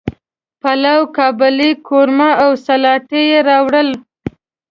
پلاو، قابلی، قورمه او سلاطه یی راوړل